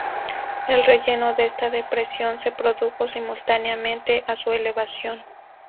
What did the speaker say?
El relleno de esta depresión se produjo simultáneamente a su elevación.